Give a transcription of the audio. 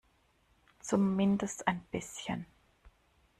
Zumindest ein bisschen.